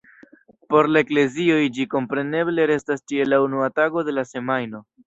Por la eklezioj ĝi kompreneble restas ĉie la unua tago de la semajno.